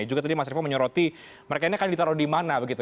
ya juga tadi mas revo menyoroti mereka ini akan ditaruh dimana begitu